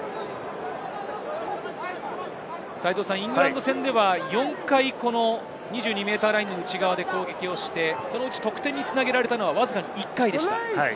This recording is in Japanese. イングランド戦では４回、２２ｍラインの内側で攻撃をして、得点に繋げられたのはわずかに１回でした。